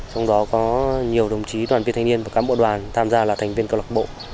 trong đó có nhiều đồng chí đoàn viên thanh niên và cán bộ đoàn tham gia là thành viên câu lạc bộ